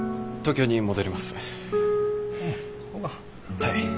はい。